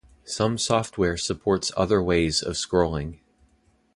Some software supports other ways of scrolling.